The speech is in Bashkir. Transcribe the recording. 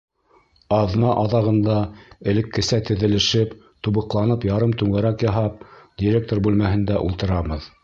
Аҙна аҙағында элеккесә теҙелешеп, тубыҡланып ярым түңәрәк яһап директор бүлмәһендә ултырабыҙ.